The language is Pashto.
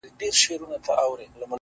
o اوس هره شپه خوب کي بلا وينمه ـ